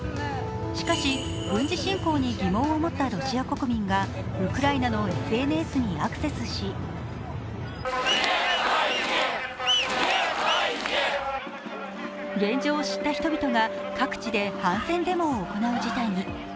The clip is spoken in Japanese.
しかし、軍事侵攻に疑問を持ったロシア国民がウクライナのＳＮＳにアクセスし現状を知った人々が各地で反戦デモを行う事態に。